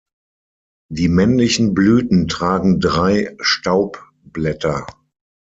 Die männlichen Blüten tragen drei Staubblätter.